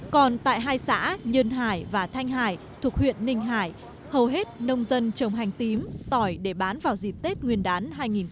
còn tại hai xã nhơn hải và thanh hải thuộc huyện ninh hải hầu hết nông dân trồng hành tím tỏi để bán vào dịp tết nguyên đán hai nghìn hai mươi